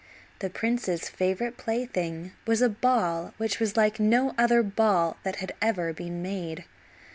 The prince's favorite plaything was a ball which was like no other ball that had ever been made.